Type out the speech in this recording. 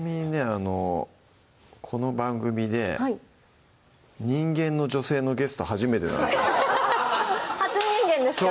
あのこの番組で人間の女性のゲスト初めてなんです初人間ですか？